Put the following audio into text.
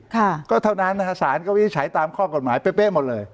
ค่ะก็เท่านั้นนะฮะสารก็วินิจฉัยตามข้อกฎหมายเป๊ะหมดเลย